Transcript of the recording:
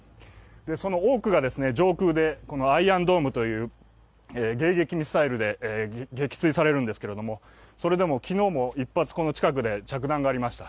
その多くが上空でアイアンドームという迎撃システムで撃墜されるんですけれども、昨日も１発この近くで着弾がありました。